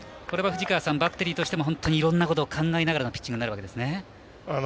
藤川さん、バッテリーとしてもいろんなことを考えながらのピッチングですね。